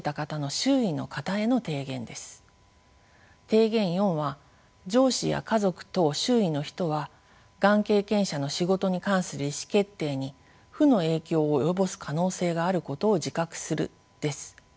提言４は上司や家族等周囲の人はがん経験者の仕事に関する意思決定に負の影響を及ぼす可能性があることを自覚するです。